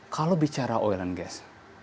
kalau bicara oil and gas